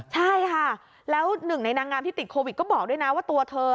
ใช่ค่ะแล้วหนึ่งในนางงามที่ติดโควิดก็บอกด้วยนะว่าตัวเธอ